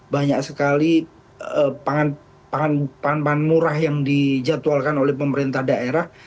banyak sekali pangan pangan murah yang dijadwalkan oleh pemerintah daerah